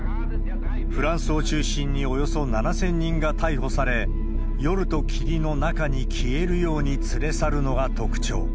フランスを中心におよそ７０００人が逮捕され、夜と霧の中に消えるように連れ去るのが特徴。